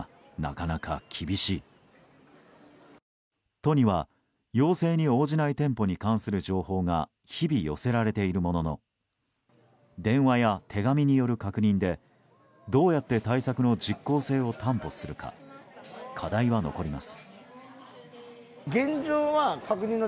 都には要請に応じない店舗に関する情報が日々寄せられているものの電話や手紙による確認でどうやって対策の実効性を担保するか課題は残ります。